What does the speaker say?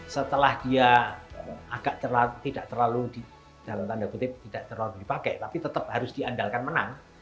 setelah dia agak tidak terlalu dipakai tapi tetap harus diandalkan menang